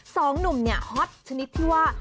สองหนุ่มเนี่ยฮอตชนิดที่ว่า